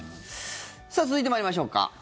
さあ続いて参りましょうか。